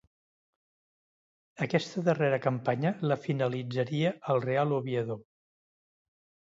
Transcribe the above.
Aquesta darrera campanya la finalitzaria al Real Oviedo.